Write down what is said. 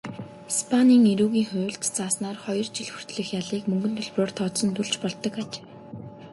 Испанийн эрүүгийн хуульд зааснаар хоёр жил хүртэлх ялыг мөнгөн төлбөрөөр тооцон төлж болдог аж.